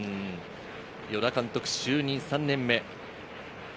与田監督、就任３年目。